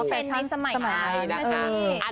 เป็นนิสสมัย